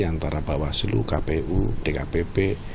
antara bawah seluruh kpu dkpp